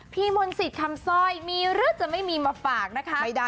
พี่มนต์สิทธิ์คำซอยมีหรือจะไม่มีมาฝากนะคะ